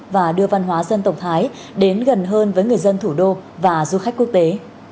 và đưa văn hóa dân tộc thái đến gần hơn với người dân thủ đô và du khách quốc tế